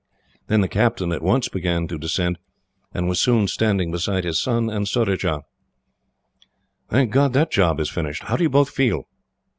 Then the captain at once began to descend, and was soon standing beside his son and Surajah. "Thank God that job is finished! How do you both feel?"